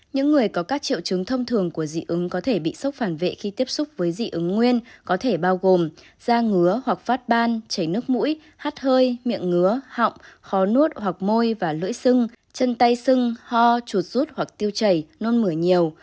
những người có các triệu chứng thông thường của dị ứng có thể bị sốc phản vệ khi tiếp xúc với dị ứng nguyên có thể bao gồm da ngứa hoặc phát ban chảy nước mũi hát hơi miệng ngứa họng khó nuốt hoặc môi và lưỡi sưng chân tay sưng ho chuột rút hoặc tiêu chảy nôn mửa nhiều